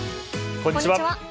こんにちは。